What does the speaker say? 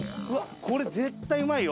これ絶対うまいよ。